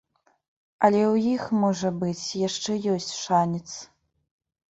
Але ў іх, можа быць, яшчэ ёсць шанец.